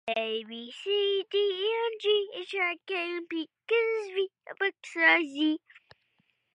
Benckendorff arrived with his main force in Breda.